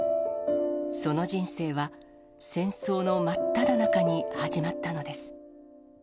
その人生は、戦争の真っただ中に始まったのです。